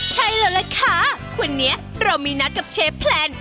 ใช่แล้วล่ะค่ะวันนี้เรามีนัดกับเชฟแพลน